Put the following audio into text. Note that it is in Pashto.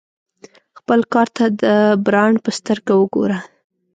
خپل کار ته د برانډ په سترګه وګوره.